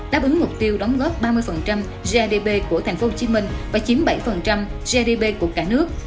đáp ứng mục tiêu đóng góp ba mươi grdp của tp hcm và chiếm bảy grdp của cả nước